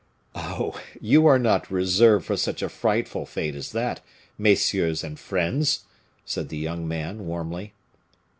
"Oh! you are not reserved for such a frightful fate as that, messieurs and friends!" said the young man, warmly.